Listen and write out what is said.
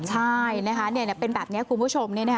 ใช่นะคะเป็นแบบนี้คุณผู้ชม